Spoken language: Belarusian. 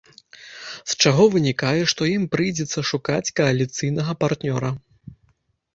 З чаго вынікае, што ім прыйдзецца шукаць кааліцыйнага партнёра.